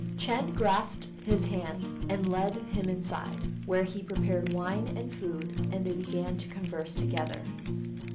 Ch'êng grasped his hand and led him inside, where he prepared wine and food, and they began to converse together.